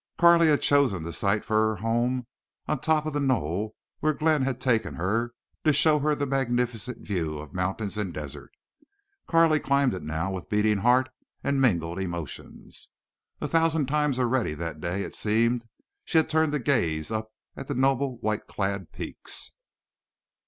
Carley had chosen the site for her home on top of the knoll where Glenn had taken her to show her the magnificent view of mountains and desert. Carley climbed it now with beating heart and mingled emotions. A thousand times already that day, it seemed, she had turned to gaze up at the noble white clad peaks.